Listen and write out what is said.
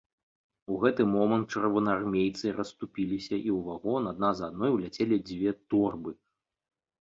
У гэты момант чырвонаармейцы расступіліся і ў вагон адна за адной уляцелі дзве торбы.